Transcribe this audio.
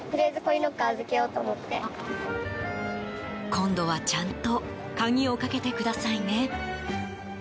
今度はちゃんと鍵をかけてくださいね。